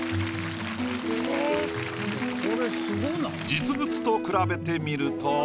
実物と比べてみると。